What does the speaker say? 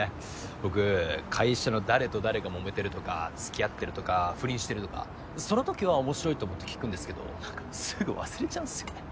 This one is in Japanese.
僕会社の誰と誰がもめてるとかつきあってるとか不倫してるとかそのときは面白いと思って聞くんですけど何かすぐ忘れちゃうんすよね。